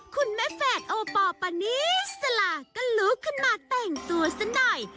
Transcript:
คุณแม่แฝดโอปอลปานีสลาก็ลุกขึ้นมาแต่งตัวซะหน่อย